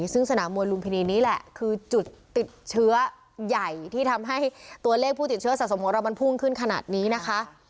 ซึ่งสนามมวยลุมพินีนี้แหละคือจุดติดเชื้อใหญ่ที่ทำให้ตัวเลขผู้ติดเชื้อสะสมของเรามันพุ่งขึ้นขนาดนี้นะคะ